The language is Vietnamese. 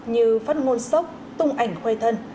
tạo scandal như phát ngôn sốc tung ảnh khuây thân